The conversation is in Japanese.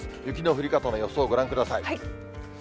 雪の降り方の予想、ご覧ください。